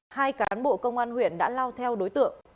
hai cán bộ công an huyện đã lao theo đối tượng